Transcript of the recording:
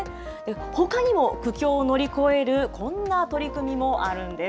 ほかにも苦境を乗り越えるこんな取り組みもあるんです。